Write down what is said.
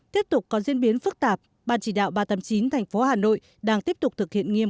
tiếp tục có diễn biến phức tạp ban chỉ đạo ba trăm tám mươi chín thành phố hà nội đang tiếp tục thực hiện nghiêm